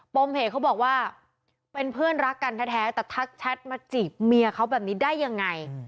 มเหตุเขาบอกว่าเป็นเพื่อนรักกันแท้แต่ทักแชทมาจีบเมียเขาแบบนี้ได้ยังไง